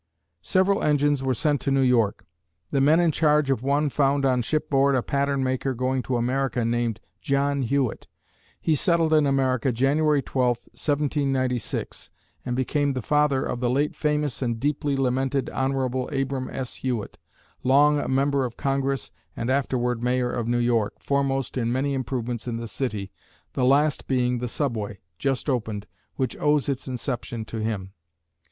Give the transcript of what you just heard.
Several engines were sent to New York. The men in charge of one found on shipboard a pattern maker going to America named John Hewitt. He settled in America January 12th, 1796, and became the father of the late famous and deeply lamented Hon. Abram S. Hewitt, long a member of Congress and afterward mayor of New York, foremost in many improvements in the city, the last being the Subway, just opened, which owes its inception to him.